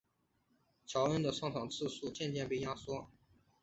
乔恩的上场次数渐渐被压缩。